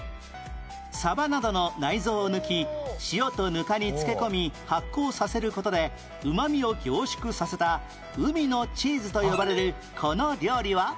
サバなどの内臓を抜き塩と糠に漬けこみ発酵させる事でうまみを凝縮させた海のチーズと呼ばれるこの料理は？